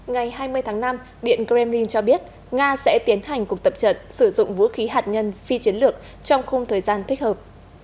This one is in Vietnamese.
ngày hai mươi tháng năm điện kremlin cho biết nga sẽ tiến hành cuộc tập trận sử dụng vũ khí hạt nhân phi chiến lược trong khung thời gian thích hợp